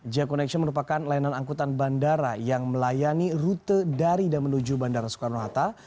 ja connection merupakan layanan angkutan bandara yang melayani rute dari dan menuju bandara soekarno hatta